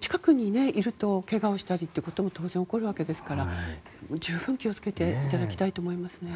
近くにいるとけがをしたりということも当然、起こるわけですから十分に気を付けていただきたいと思いますね。